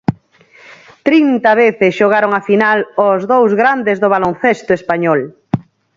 Trinta veces xogaron a final os dous grandes do baloncesto español.